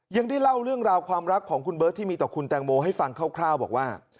ยังได้เล่าเรื่องราวความรักของคุณเบิร์ตที่มีต่อคุณแตงโมให้ฟังคร่าวบอกว่า